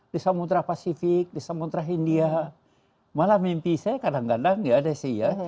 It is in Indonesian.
di samudera pasifik di samudera india malah mimpi saya kadang kadang nggak ada sih ya